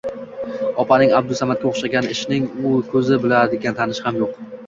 Opaning Abdusamadga o‘xshagan ishning ko‘zini biladigan tanishi ham yo‘q.